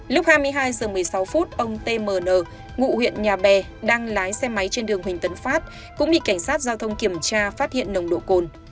lúc hai mươi hai giờ một mươi sáu phút ông t m n ngụ huyện nhà bè đang lái xe máy trên đường huỳnh tấn phát cũng bị cảnh sát giao thông kiểm tra phát hiện nồng độ cồn